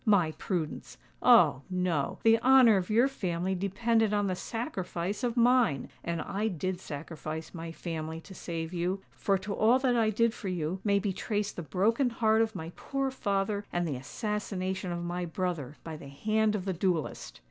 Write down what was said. _'—My prudence! Oh! no:—the honour of your family depended on the sacrifice of mine! And I did sacrifice my family to save you;—for to all that I did for you may be traced the broken heart of my poor father and the assassination of my brother by the hand of the duellist!"